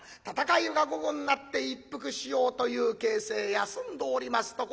戦いが午後になって一服しようという形勢休んでおります